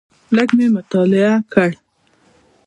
لږ مې مطالعه کړ.